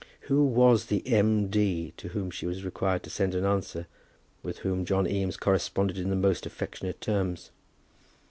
Who was the M. D. to whom she was required to send an answer with whom John Eames corresponded in the most affectionate terms?